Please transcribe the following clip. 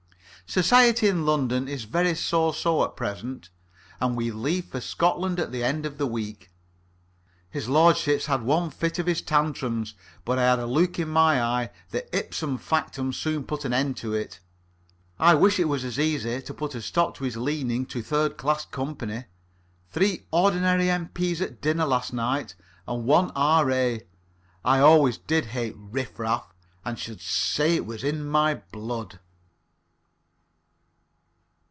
"Society in London is very so so at present, and we leave for Scotland at the end of the week. His lordship's had one fit of his tantrums, but I had a look in my eye that ipsum factum soon put an end to it. I wish it was as easy to put a stop to his leaning to third class company. Three ordinary M.P.'s at dinner last night and one R.A. I always did hate riff raff, and should say it was in my blood."